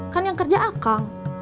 kan yang kerja akang